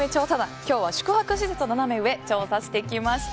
今日は宿泊施設のナナメ上を調査してきました。